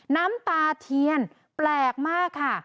น้ำตาเทียนแปลกมากค่ะ